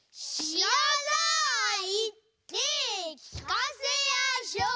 知らざあ言って聞かせやしょう。